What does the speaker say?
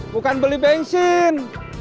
bukan beli bensin